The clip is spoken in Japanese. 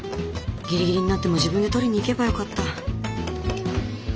ギリギリになっても自分で取りに行けばよかった。